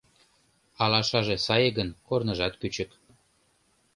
Алашаже сае гын, корныжат кӱчык